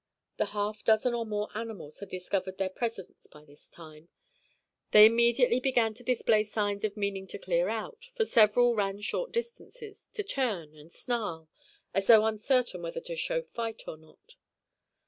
The half dozen or more animals had discovered their presence by this time. They immediately began to display signs of meaning to clear out, for several ran short distances, to turn and snarl, as though uncertain whether to show fight or not.